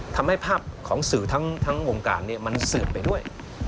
ทำให้ภาพของสื่อทั้งวงการมันสืบไปด้วย